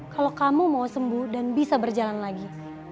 kalau kamu mau sembuh dan bisa berjalan lagi